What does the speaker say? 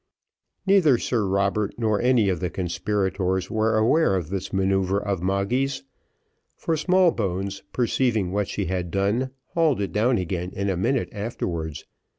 Neither Sir Robert nor any of the conspirators were aware of this manoeuvre of Moggy's; for Smallbones, perceiving what she had done, hauled it down again in a minute afterwards.